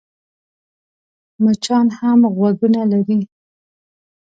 مچان هم غوږونه لري .